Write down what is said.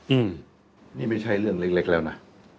อืมนี่ไม่ใช่เรื่องเล็กแล้วนะ